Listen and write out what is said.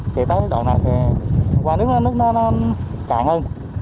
thì tới đoạn này thì hôm qua nước nó cạn hơn